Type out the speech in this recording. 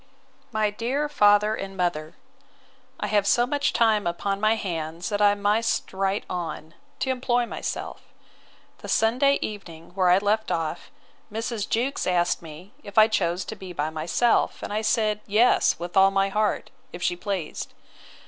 MY DEAR FATHER AND MOTHER, I have so much time upon my hands that I must write on, to employ myself. The Sunday evening, where I left off, Mrs. Jewkes asked me, If I chose to be by myself; I said, Yes, with all my heart, if she pleased.